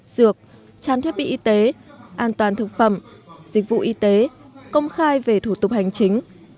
dược trang thiết bị y tế an toàn thực phẩm dịch vụ y tế công khai về thủ tục hành chính